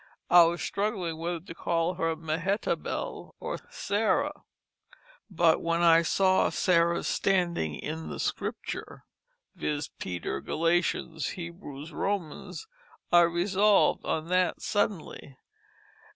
I was struggling whether to call her Mehetable or Sarah. But when I saw Sarah's standing in the Scripture, viz: Peter, Galatians, Hebrews, Romans, I resolv'd on that suddenly."